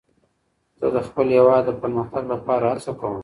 زه د خپل هېواد د پرمختګ لپاره هڅه کوم.